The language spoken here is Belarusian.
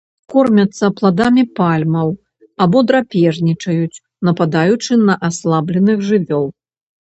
Кормяцца пладамі пальмаў або драпежнічаюць, нападаючы на аслабленых жывёл.